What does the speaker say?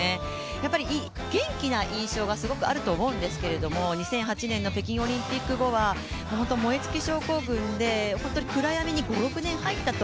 やっぱり元気な印象がすごくあると思うんですけど２００８年の北京オリンピック後は燃え尽き症候群で本当に暗闇に入ったと。